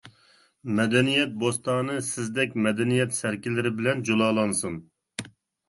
«مەدەنىيەت بوستانى» سىزدەك مەدەنىيەت سەركىلىرى بىلەن جۇلالانسۇن!